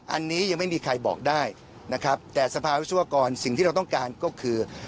อันนี้ยังไม่มีใครบอกได้นะครับแต่สภาวิศวกรสิ่งที่เราต้องการก็คือ